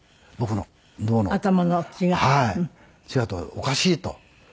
おかしいと。